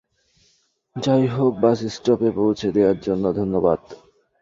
যাই হোক, বাস স্টপে পৌঁছে দেয়ার জন্য ধন্যবাদ।